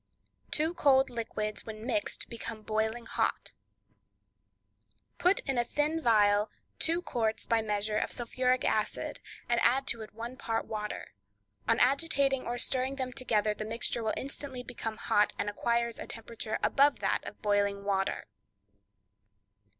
Two Cold Liquids When Mixed Become Boiling Hot.—Put in a thin phial two quarts (by measure) of sulphuric acid, and add to it one part of water; on agitating or stirring them together the mixture instantly becomes hot, and acquires a temperature above that of boiling water.